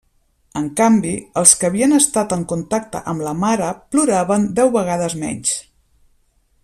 En canvi, els que havien estat en contacte amb la mare ploraven deu vegades menys.